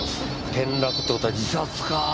転落って事は自殺か。